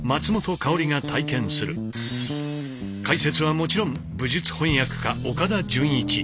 解説はもちろん武術翻訳家岡田准一。